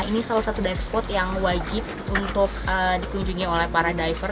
ini salah satu dive spot yang wajib untuk dikunjungi oleh para diver